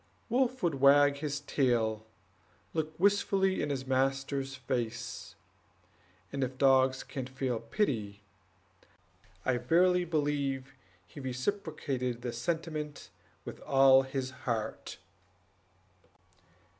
Wolf would wag his tail, look wistfully in his master's face, and if dogs can feel pity, I verily believe he reciprocated the sentiment with all his heart.